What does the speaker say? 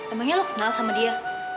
emangnya lo kenal sama dia